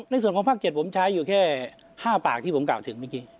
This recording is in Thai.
ในส่วนของภาค๗ผมใช้อยู่แค่๕ปากที่ผมกล่าวถึงเมื่อกี้